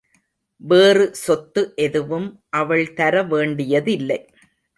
வேறு சொத்து எதுவும் அவள் தர வேண்டியதில்லை.